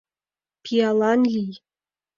Пиалан лий!